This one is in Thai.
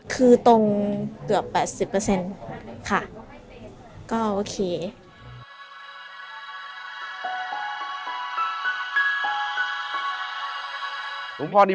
คือตรงเกือบ๘๐ค่ะก็โอเค